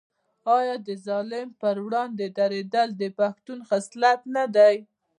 آیا د ظالم پر وړاندې دریدل د پښتون خصلت نه دی؟